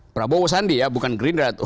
prabowo sandi ya bukan gerindra